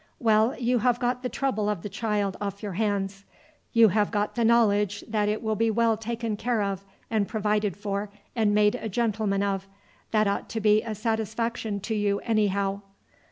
"Well, you have got the trouble of the child off your hands, you have got the knowledge that it will be well taken care of and provided for and made a gentleman of. That ought to be a satisfaction to you anyhow."